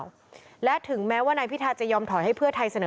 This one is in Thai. แล้วและถึงแม้ว่านายพิทาจะยอมถอยให้เพื่อไทยเสนอ